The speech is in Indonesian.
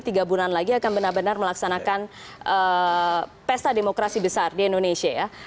tiga bulan lagi akan benar benar melaksanakan pesta demokrasi besar di indonesia ya